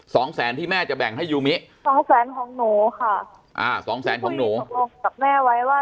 สองแสนที่แม่จะแบ่งให้ยูมิสองแสนของหนูค่ะอ่าสองแสนของหนูบอกกับแม่ไว้ว่า